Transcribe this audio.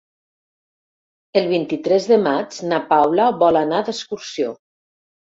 El vint-i-tres de maig na Paula vol anar d'excursió.